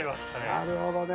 なるほどね！